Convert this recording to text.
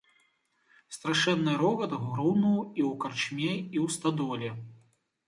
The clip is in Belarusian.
Страшэнны рогат грунуў і ў карчме і ў стадоле.